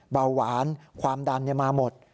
เบาหวานความดันมาหมด